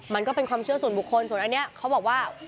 มันก็เป็นความเชื่อส่วนบุคคลส่วนอันนี้เขาบอกว่า